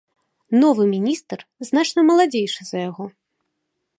Новы міністр значна маладзейшы за яго.